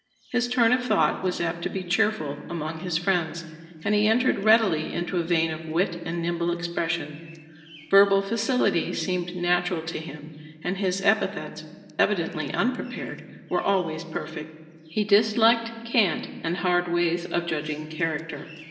His turn of thought was apt to be cheerful among his friends, and he entered readily into a vein of wit and nimble expression. Verbal facility seemed natural to him, and his epithets, evidently unprepared, were always perfect. He disliked cant and hard ways of judging character.